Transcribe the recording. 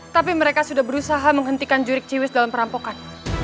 tapi mereka sudah berusaha menghentikan jurik ciwis dalam perampokan